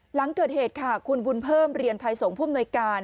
หลังเกิดเหตุค่ะคุณบุญเพิ่มเรียนไทยสงฆ์ผู้อำนวยการ